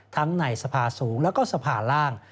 ในสภาสูงแล้วก็สภาล่าง